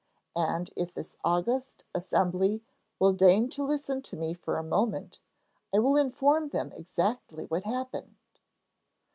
And if this august assembly will deign to listen to me for a moment, I will inform them exactly what happened.